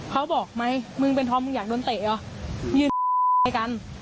เขาบอกไม่มึงเป็นทอมมึงอยากโดนเตะอ่ะยืนใกล้กัน